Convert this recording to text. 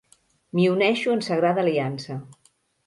M'hi uneixo en sagrada aliança.